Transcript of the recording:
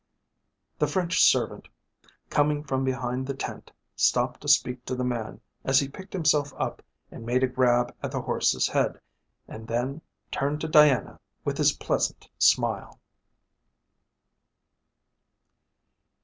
The French servant, coming from behind the tent, stopped to speak to the man as he picked himself up and made a grab at the horse's head, and then turned to Diana with his pleasant smile.